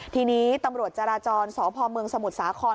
ทีนี้ตำรวจจราจรสพเมืองสมุทรสาคร